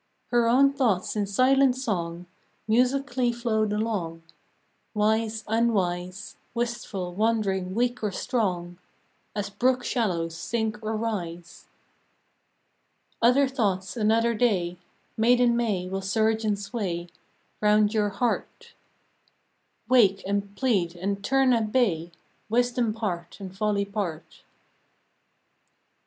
Her own thoughts in silent song Musically flowed along, Wise, unwise, Wistful, wondering, weak or strong; As brook shallows sink or rise. MAIDEN MA V 149 Other thoughts another day, Maiden May, will surge and sway Round your heart; Wake, and plead, and turn at bay, Wisdom part, and folly part.